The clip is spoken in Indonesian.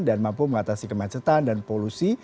dan mampu mengatasi kemacetan dan polusi